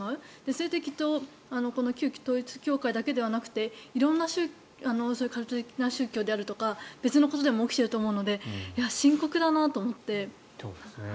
それってきっと旧統一教会だけではなくて色んなそういうカルト的な宗教であるとか別のことでも起きていると思うので、深刻だなと思って。